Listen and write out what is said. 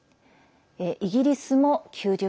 イギリスも９０％。